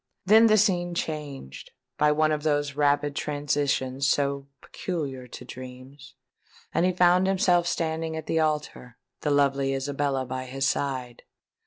Then the scene changed, by one of those rapid transitions so peculiar to dreams; and he found himself standing at the altar, the lovely Isabella by his side.